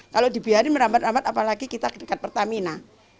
kalau dibiarkan merambat rambat apalagi kita dekat pertamina